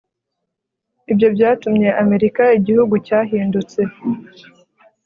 ibyo byatumye amerika igihugu cyahindutse